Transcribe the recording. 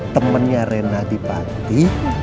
temennya rena di panti